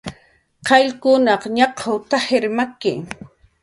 "Wallpkun ñaq'w t""ajir maki"